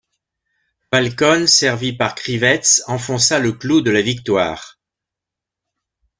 Falcón servi pas Krivets enfonça le clou de la victoire.